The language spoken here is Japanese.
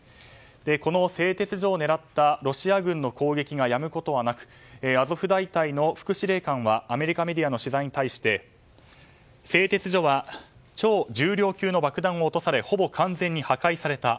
この製鉄所を狙ったロシア軍の攻撃がやむことはなくアゾフ大隊の副司令官はアメリカメディアの取材に対して製鉄所は超重量級の爆弾を落とされほぼ完全に破壊された。